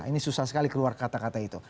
ini susah sekali keluar kata kata itu